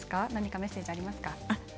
メッセージ、ありますか？